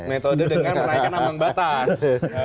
metode dengan menaikkan ambang batas